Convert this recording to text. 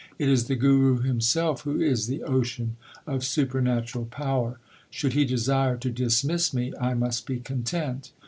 It is the LIFE OF GURU ARJAN 31 Guru himself who is the ocean of supernatural power. Should he desire to dismiss me, I must be content.